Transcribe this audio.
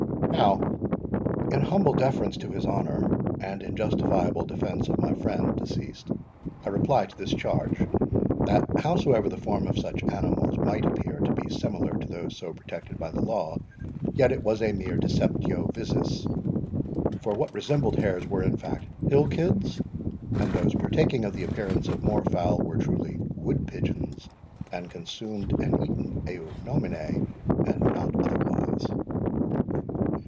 Now, in humble deference to his honour, and in justifiable defence of my friend deceased, I reply to this charge, that howsoever the form of such animals might appear to be similar to those so protected by the law, yet it was a mere DECEPTIO VISUS; for what resembled hares were, in fact, HILL KIDS, and those partaking of the appearance of moor fowl, were truly WOOD PIGEONS and consumed and eaten EO NOMINE, and not otherwise.